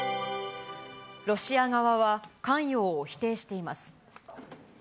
ロシア側は関与を否定しています。